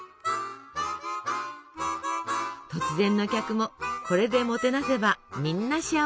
突然の客もこれでもてなせばみんな幸せ。